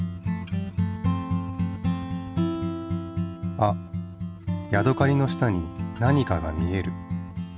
あっヤドカリの下に何かが見える。